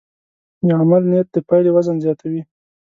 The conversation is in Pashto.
د عمل نیت د پایلې وزن زیاتوي.